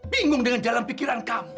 bingung dengan jalan pikiran kamu